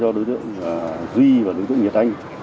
giao cho đối tượng duy và đối tượng nhật anh